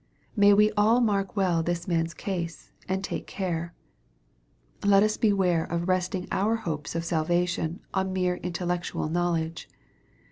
May we all mark well this man's case, and take care ! Let us beware of resting our hopes of salvation on mere intellectual knowledge.